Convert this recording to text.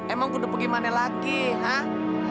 emang gue udah pergi mana lagi hah